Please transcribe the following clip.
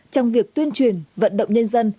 trong việc tuyên truyền vận động nhân dân